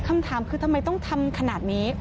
คำถามคือทำไมต้องทำขนาดนี้